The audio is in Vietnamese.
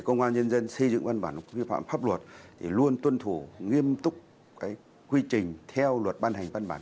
công an nhân dân xây dựng văn bản quy phạm pháp luật thì luôn tuân thủ nghiêm túc cái quy trình theo luật ban hành văn bản